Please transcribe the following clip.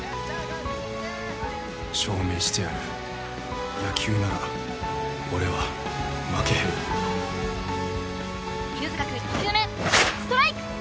証明してやる野球なら俺は負けへん犬塚くん２球目ストライク！